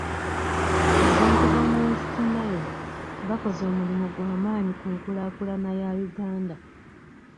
Abantu b'omu West Nile bakoze omulimu gwa maanyi ku nkulaakulana ya Uganda.